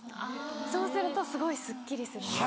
そうするとすごいすっきりするんですよ。